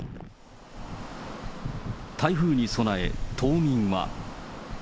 台風に備え、島民は。